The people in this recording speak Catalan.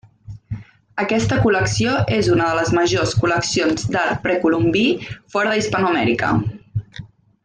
Aquesta col·lecció és una de les majors col·leccions d'art precolombí fora d'Hispanoamèrica.